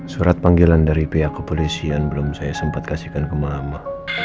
surat panggilan dari pihak kepolisian belum saya sempat kasihkan ke mama